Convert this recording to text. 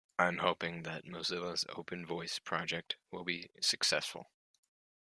I'm hoping that Mozilla's Open Voice project will be successful.